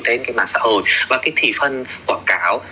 tên mạng xã hội và thị phần quảng cáo